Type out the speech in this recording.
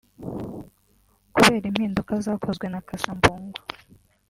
Kubera impinduka zakozwe na Cassa Mbungo